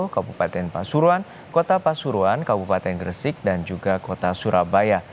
kabupaten pasuruan kota pasuruan kabupaten gresik dan juga kota surabaya